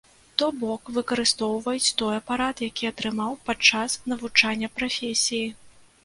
То бок выкарыстоўваць той апарат, які атрымаў падчас навучання прафесіі.